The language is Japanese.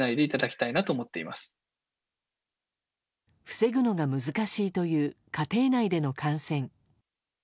防ぐのが難しいという家庭内での感染。